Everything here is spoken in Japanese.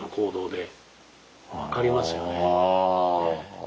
ああ。